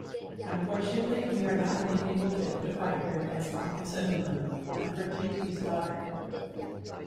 Unfortunately we are not yet able to identify her as Ankhesenamun, Nefertiti's daughter.